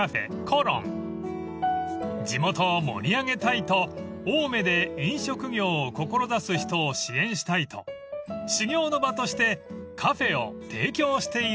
［地元を盛り上げたいと青梅で飲食業を志す人を支援したいと修業の場としてカフェを提供しているんです］